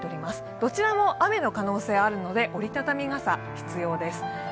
どちらも雨の可能性あるので折り畳み傘が必要です。